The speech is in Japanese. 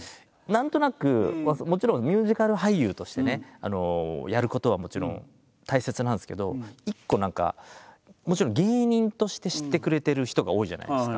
何となくもちろんミュージカル俳優としてねやることはもちろん大切なんですけど一個何かもちろん芸人として知ってくれてる人が多いじゃないですか。